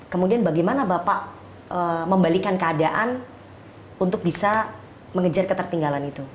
kemudian bagaimana bapak membalikan keadaan untuk bisa mengejar ketertinggalan itu